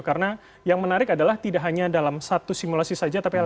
karena yang menarik adalah tidak hanya dalam satu simulasi saja